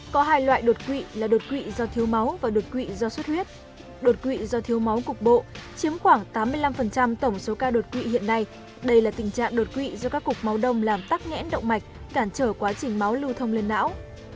có hai loại đột quỵ là đột quỵ do thiếu máu và đột quỵ do sốt huyết đột quỵ do thiếu máu cục bộ chiếm khoảng tám mươi năm tổng số ca đột quỵ hiện nay đây là tình trạng đột quỵ do các cục máu đông làm tắc nghẽn động mạch cản trở quá trình máu lưu thông lên não